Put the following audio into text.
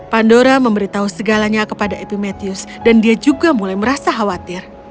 pandora memberitahu segalanya kepada epimetheus dan dia juga mulai merasa khawatir